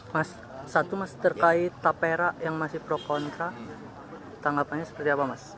mas satu masih terkait tapera yang masih pro kontra tanggapannya seperti apa mas